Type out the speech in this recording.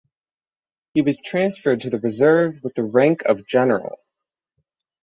He was transferred to the reserve with the rank of general.